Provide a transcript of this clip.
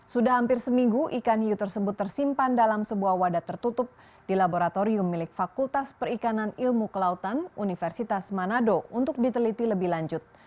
sudah hampir seminggu ikan hiu tersebut tersimpan dalam sebuah wadah tertutup di laboratorium milik fakultas perikanan ilmu kelautan universitas manado untuk diteliti lebih lanjut